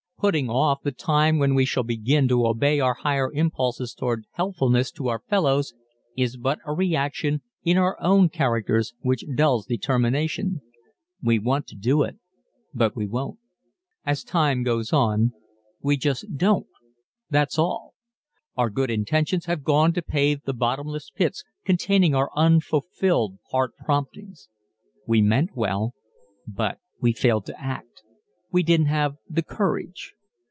Putting off the time when we shall begin to obey our higher impulses toward helpfulness to our fellows is but a reaction in our own characters which dulls determination. We want to do but we don't. As time goes on we just don't that's all. Our good intentions have gone to pave the bottomless pits containing our unfulfilled heart promptings. We meant well but we failed to act we didn't have the courage.